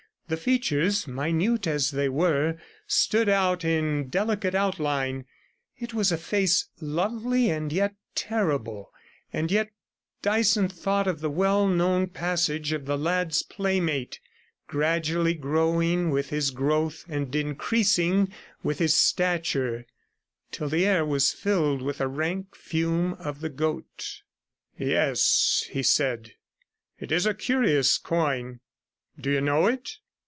The features, minute as they were, stood out in delicate outline; it was a face lovely and yet terrible, and yet Dyson thought of the well known passage of the lad's playmate, gradually growing with his growth and increasing with his stature, till the air was filled with the rank fume of the goat. 'Yes,' he said; 'it is a curious coin. Do you know it?'